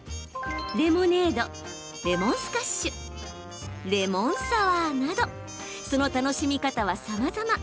レモネード、レモンスカッシュレモンサワーなどその楽しみ方はさまざま。